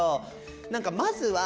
何かまずはその